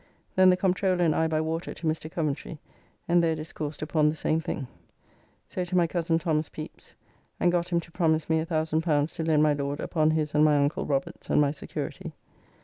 Then the Comptroller and I by water to Mr. Coventry, and there discoursed upon the same thing. So to my coz. Tho. Pepys, and got him to promise me L1,000 to lend my Lord upon his and my uncle Robert's and my security.